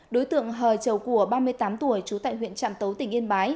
đối tượng hờ chầu cùa ba mươi tám tuổi chú tại huyện trạm tấu tỉnh yên bái